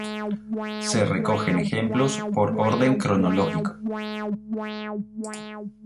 Se recogen ejemplos por orden cronológico